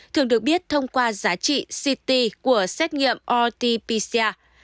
thường được biết thông qua giá trị ct của xét nghiệm rt pcr